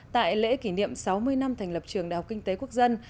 tại lễ kỷ niệm sáu mươi năm thành lập trường đại học kinh tế quốc dân